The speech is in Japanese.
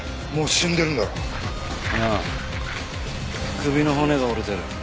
首の骨が折れてる。